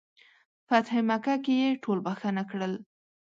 فتح مکه کې یې ټول بخښنه کړل.